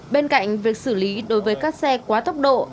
bên cạnh việc xử lý đối với các xe quá tốc độ